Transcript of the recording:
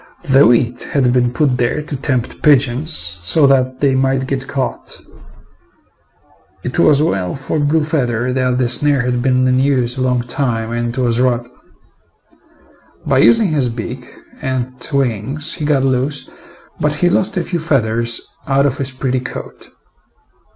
The wheat had been put there to tempt pigeons so that they might get caught. It was well for Blue feather that the snare had been in use a long time and was rotten. By using his beak and wings he got loose, but he lost a few feathers out of his pretty coat.